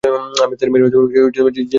আমি তাদের মেরে জেলে চলে যাব!